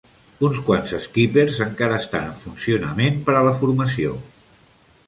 Uns quants Skippers encara estan en funcionament per a la formació.